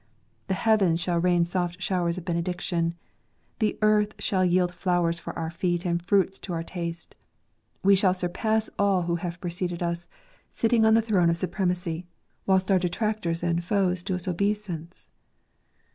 The heavens shall rain soft showers of benediction ! The earth shall yield flowers for our feet and fruits to our taste! We shall surpass all who have preceded us ; sitting on the throne of supremacy, whilst our detractors and foes do us obeisance